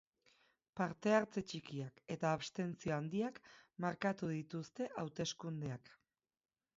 Parte-hartze txikiak eta abstentzio handiak markatu dituzte hauteskundeak.